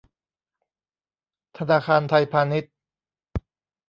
ธนาคารไทยพาณิชย์